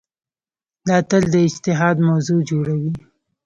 دا تل د اجتهاد موضوع جوړوي.